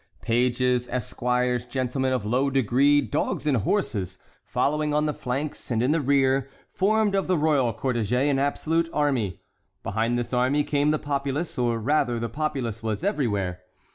Pages, esquires, gentlemen of low degree, dogs and horses, following on the flanks and in the rear, formed of the royal cortège an absolute army. Behind this army came the populace, or rather the populace was everywhere.